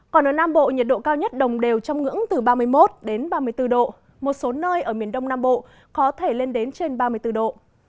còn ở nam bộ nhiệt độ cao nhất đồng đều trong ngưỡng từ ba mươi một đến ba mươi bốn độ một số nơi ở miền đông nam bộ có thể lên đến trên ba mươi bốn độ